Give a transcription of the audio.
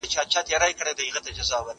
هغه څوک چي پاکوالی کوي منظم وي!!